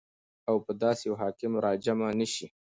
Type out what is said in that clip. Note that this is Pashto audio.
او په داسي يو حاكم راجمع نسي